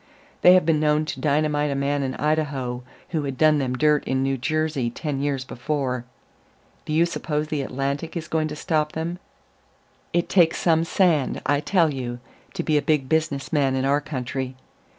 They have been known to dynamite a man in Idaho who had done them dirt in New Jersey ten years before. Do you suppose the Atlantic is going to stop them?... It takes some sand, I tell you, to be a big business man in our country.